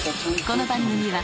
［この番組は］